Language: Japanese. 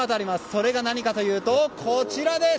それが何かというと、こちらです。